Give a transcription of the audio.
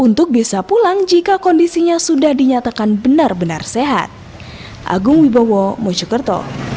untuk bisa pulang jika kondisinya sudah dinyatakan benar benar sehat